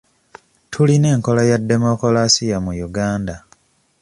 Tulina enkola ya demokulasiya mu Uganda.